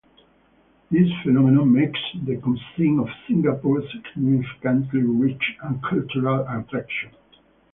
This phenomenon makes the cuisine of Singapore significantly rich and a cultural attraction.